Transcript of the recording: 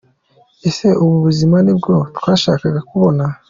Ese ubu buzima ni bwo twashakaga kubona?